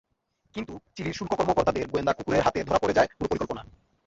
কিন্তু চিলির শুল্ক কর্মকর্তাদের গোয়েন্দা কুকুরের হাতে ধরা পড়ে যায় পুরো পরিকল্পনা।